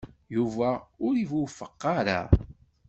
Yuba ur iwufeq ara.